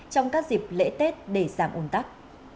trong các dịp lễ tết để giảm ồn tắc